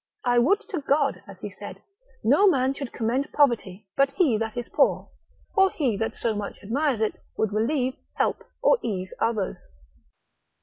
I would to God (as he said) No man should commend poverty, but he that is poor, or he that so much admires it, would relieve, help, or ease others.